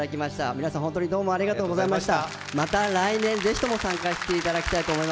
皆さん本当にどうもありがとうございました。